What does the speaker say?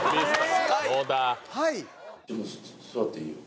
座っていいよ。